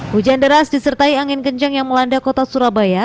hujan deras disertai angin kencang yang melanda kota surabaya